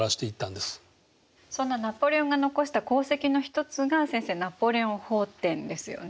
そんなナポレオンが残した功績の一つが先生「ナポレオン法典」ですよね。